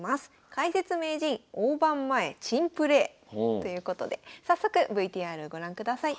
「解説名人大盤前珍プレー」ということで早速ＶＴＲご覧ください。